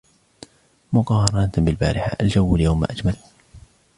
مقارنة بالبارحة الجو اليوم أجمل.